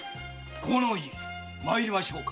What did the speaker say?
河野氏参りましょうか。